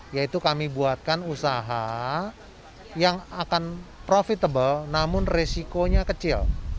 yaitu kami buatkan usaha yang akan profitable namun resikonya kecil